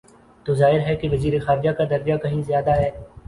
تو ظاہر ہے کہ وزیر خارجہ کا درجہ کہیں زیادہ ہے۔